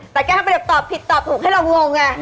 แต่ก็ก็เป็นเรื่องตอบผิดตอบถูกให้เราหลงไง